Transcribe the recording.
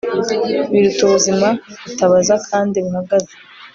biruta ubuzima butabaza kandi buhagaze